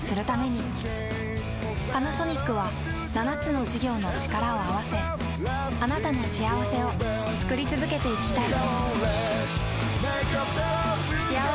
パナソニックは７つの事業のチカラを合わせあなたの幸せを作り続けていきたい。